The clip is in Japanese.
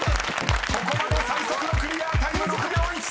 ［ここまで最速のクリアタイム６秒１３！］